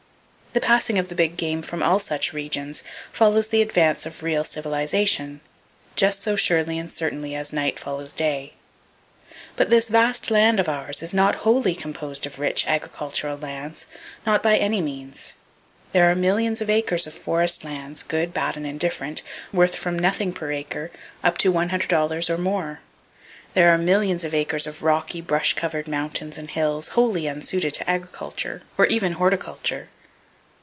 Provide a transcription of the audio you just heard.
The passing of the big game from all such regions follows the advance of real civilization, just so surely and certainly as night follows day. But this vast land of ours is not wholly composed of rich agricultural lands; not by any means. There are millions of acres of forest lands, good, bad and indifferent, worth from nothing per acre up to one hundred [Page 236] dollars or more. There are millions of acres of rocky, brush covered mountains and hills, wholly unsuited to agriculture, or even horticulture.